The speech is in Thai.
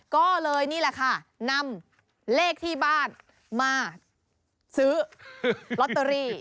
ก็เลยนี่แหละค่ะนำเลขที่บ้านมาซื้อลอตเตอรี่